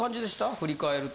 振り返ると。